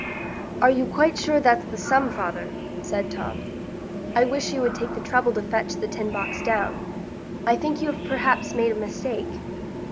"Are you quite sure that's the sum, father?" said Tom. "I wish you would take the trouble to fetch the tin box down. I think you have perhaps made a mistake."